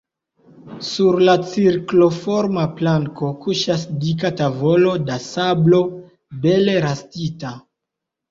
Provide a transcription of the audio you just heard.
Sur la cirkloforma planko kuŝas dika tavolo da sablo bele rastita.